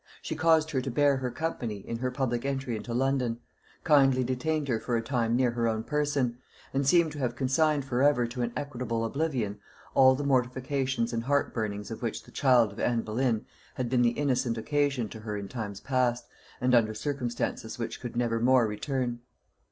She caused her to bear her company in her public entry into London; kindly detained her for a time near her own person; and seemed to have consigned for ever to an equitable oblivion all the mortifications and heartburnings of which the child of Anne Boleyn had been the innocent occasion to her in times past, and under circumstances which could never more return.